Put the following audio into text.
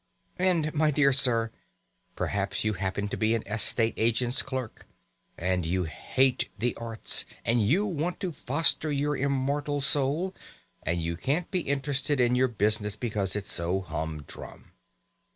And, my dear sir, perhaps you happen to be an estate agent's clerk, and you hate the arts, and you want to foster your immortal soul, and you can't be interested in your business because it's so humdrum.